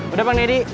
udah pak nedi